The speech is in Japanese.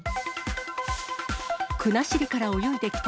国後から泳いできた。